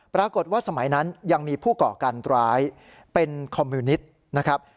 ปรากฏว่าสมัยนั้นยังมีผู้ก่อการร้ายเป็นคอมมิวนิตนะครับ